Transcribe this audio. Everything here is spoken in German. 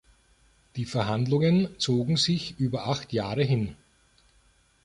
Die Verhandlungen zogen sich über acht Jahre hin.